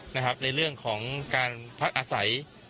ในเรื่องของการพักอาศัย